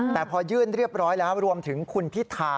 แต่พอยื่นเรียบร้อยแล้วรวมถึงคุณพิธา